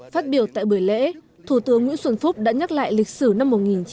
phát biểu tại buổi lễ thủ tướng nguyễn xuân phúc đã nhắc lại lịch sử năm một nghìn chín trăm bảy mươi